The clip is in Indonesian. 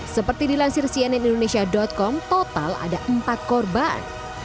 seperti dilansir cnnindonesia com total ada empat korban